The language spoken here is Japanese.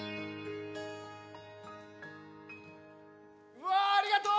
うわありがとう！